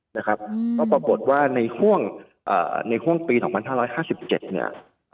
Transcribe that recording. เราประบวนว่าในห้วงปี๒๕๕๗